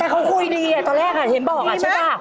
เขาคุยดีตอนแรกเห็นบอกใช่ป่ะ